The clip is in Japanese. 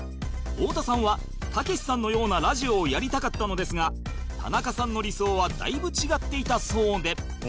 太田さんはたけしさんのようなラジオをやりたかったのですが田中さんの理想はだいぶ違っていたそうで